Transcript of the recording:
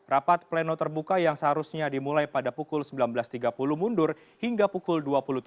rapat pleno terbuka yang seharusnya dimulai pada pukul sembilan belas tiga puluh mundur hingga pukul dua puluh tiga